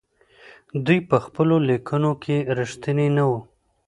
دوی په خپلو ليکنو کې رښتيني نه وو.